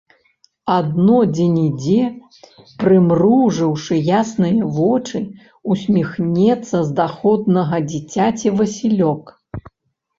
Адно дзе-нідзе, прымружыўшы ясныя вочы, усміхнецца з даходнага дзіцяці васілёк.